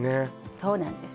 そうなんです